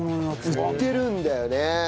売ってるんだよね。